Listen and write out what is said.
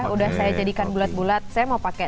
udah saya jadikan bulat bulat saya mau pakai